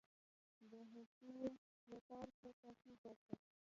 د هوسیو یو پارک یې په کې جوړ کړ.